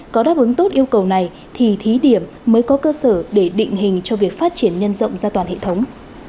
có đáp ứng tốt yêu cầu này thì thí điểm mới có cơ sở để định hình cho việc phát triển nhân rộng ra toàn hệ thống